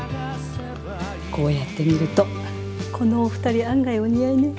こうやって見るとこのお二人案外お似合いね。